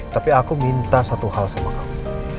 tapi aku minta satu hal sama aku